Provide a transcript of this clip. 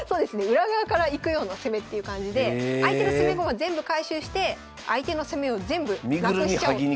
裏側からいくような攻めっていう感じで相手の攻め駒全部回収して相手の攻めを全部なくしちゃおうと。